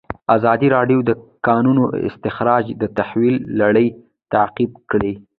ازادي راډیو د د کانونو استخراج د تحول لړۍ تعقیب کړې.